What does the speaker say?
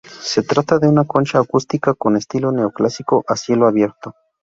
Se trata de una concha acústica con estilo neoclásico a cielo abierto.